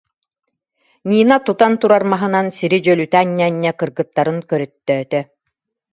Нина тутан турар маһынан сири дьөлүтэ анньа-анньа кыргыттарын көрөттөөтө